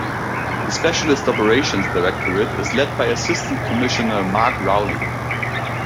The Specialist Operations Directorate is led by Assistant Commissioner Mark Rowley.